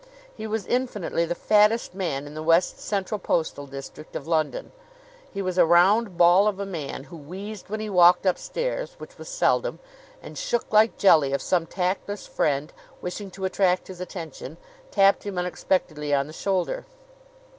He was infinitely the fattest man in the west central postal district of London. He was a round ball of a man, who wheezed when he walked upstairs, which was seldom, and shook like jelly if some tactless friend, wishing to attract his attention, tapped him unexpectedly on the shoulder.